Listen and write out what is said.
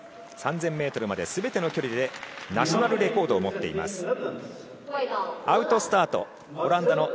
３０００ｍまで全ての距離でナショナルレコードを持っています。